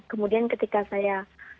kemudian ketika saya